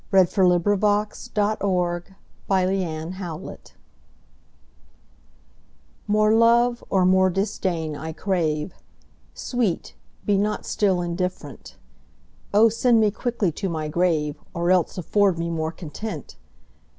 c. 1678 403. Against Indifference MORE love or more disdain I crave; Sweet, be not still indifferent: O send me quickly to my grave, Or else afford me more content!